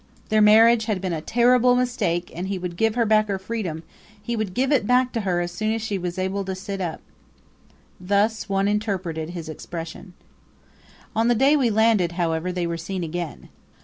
Their marriage had been a terrible mistake and he would give her back her freedom; he would give it back to her as soon as he was able to sit up. Thus one interpreted his expression. On the day we landed, however, they were seen again.